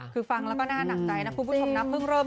คือฟังแล้วก็น่าหนักใจนะคุณผู้ชมนะเพิ่งเริ่ม